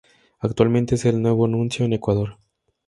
Actualmente es el nuevo Nuncio en Ecuador.